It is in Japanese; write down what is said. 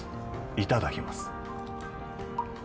いただきます